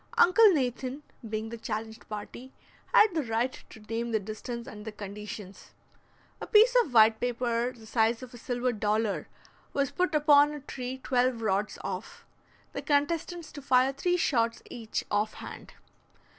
Uncle Nathan, being the challenged party, had the right to name the distance and the conditions. A piece of white paper the size of a silver dollar was put upon a tree twelve rods off, the contestants to fire three shots each off hand.